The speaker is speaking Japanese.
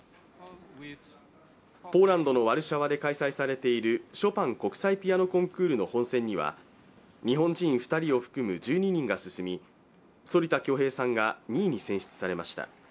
ポーランドのワルシャワで開催されているショパン国際ピアノコンクールの本選には日本人２人を含む１２人が進み、反田恭平さんが２位に選出されました。